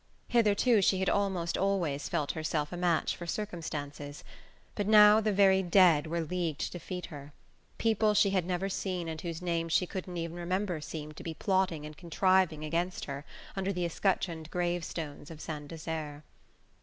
Hitherto she had almost always felt herself a match for circumstances, but now the very dead were leagued to defeat her: people she had never seen and whose names she couldn't even remember seemed to be plotting and contriving against her under the escutcheoned grave stones of Saint Desert.